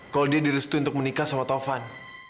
kalau dia direstuin untuk menikah sama tovan